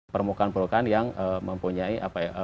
permukaan permukaan yang mempunyai